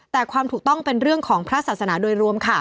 แต่ความถูกต้องเป็นเรื่องของพระศาสนาโดยรวมค่ะ